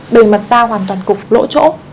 bề mặt da hoàn toàn cục lỗ chỗ